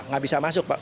enggak bisa masuk pak